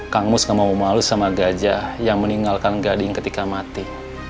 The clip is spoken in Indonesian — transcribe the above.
kang mus gak mau malu sama gajah yang meninggalkan gading ketika mati